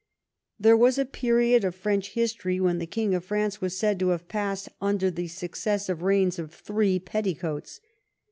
There was a period of French history when the King of France was said to have passed under the succes sive reigns of three petticoats.